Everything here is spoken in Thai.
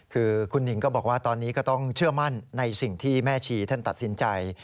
คือคุณหนิงก็บอกว่าตอนนี้ก็ต้องเชื่อมั่นในสิ่งที่แม่ชีท่านตัดสินใจ